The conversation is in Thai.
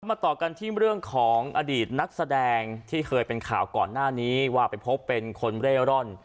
ต่อกันที่เรื่องของอดีตนักแสดงที่เคยเป็นข่าวก่อนหน้านี้ว่าไปพบเป็นคนเร่ร่อน